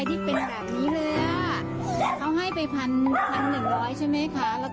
ดูซิเนี่ย